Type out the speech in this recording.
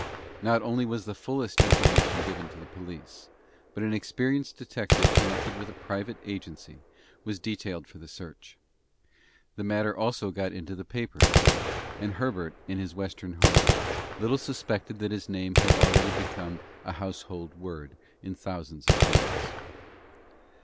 Not only was the fullest information given to the police, but an experienced detective connected with a private agency was detailed for the search. The matter also got into the papers, and Herbert, in his Western home, little suspected that his name had already become a household word in thousands of families.